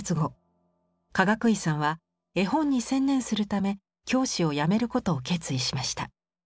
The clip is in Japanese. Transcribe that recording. くいさんは絵本に専念するため教師を辞めることを決意しました。